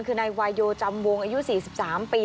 คือนายวาโยจำวงอายุ๔๓ปี